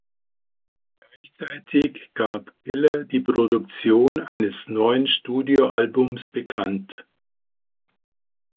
Gleichzeitig gab Killer die Produktion eines neuen Studioalbums bekannt.